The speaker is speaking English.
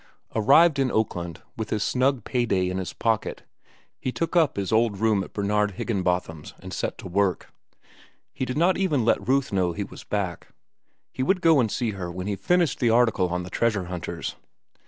Arrived in Oakland, with his snug pay day in his pocket, he took up his old room at Bernard Higginbotham's and set to work. He did not even let Ruth know he was back. He would go and see her when he finished the article on the treasure hunters.